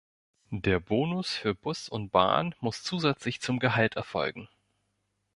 Der Bonus für Bus und Bahn muss zusätzlich zum Gehalt erfolgen.